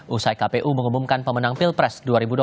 usai kpu mengumumkan pemenang pilpres dua ribu dua puluh